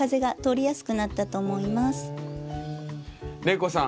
玲子さん